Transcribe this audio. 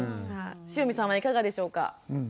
汐見さんはいかがでしょうか？